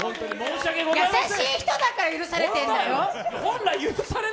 優しい人だから許されてるんでよ。